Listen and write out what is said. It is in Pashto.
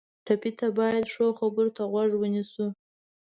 ټپي ته باید ښو خبرو ته غوږ ونیسو.